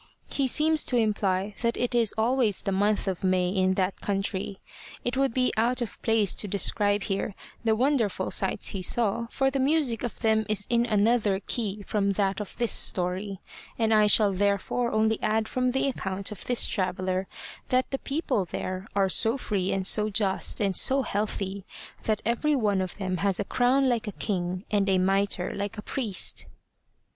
He seems to imply that it is always the month of May in that country. It would be out of place to describe here the wonderful sights he saw, for the music of them is in another key from that of this story, and I shall therefore only add from the account of this traveller, that the people there are so free and so just and so healthy, that every one of them has a crown like a king and a mitre like a priest.